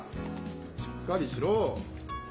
しっかりしろ！